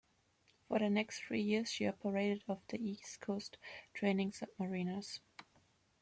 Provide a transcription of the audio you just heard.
For the next three years, she operated off the East Coast, training submariners.